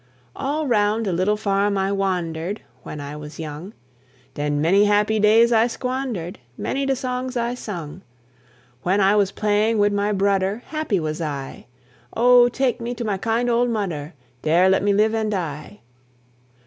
All round de little farm I wandered When I was young, Den many happy days I squandered, Many de songs I sung. When I was playing wid my brudder Happy was I; Oh, take me to my kind old mudder! Dere let me live and die.